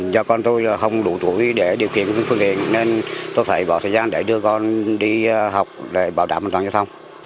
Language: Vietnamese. do con tôi không đủ tuổi để điều kiện phương tiện nên tôi phải bỏ thời gian để đưa con đi học để bảo đảm an toàn giao thông